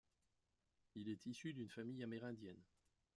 Il est issu d'une famille amérindienne.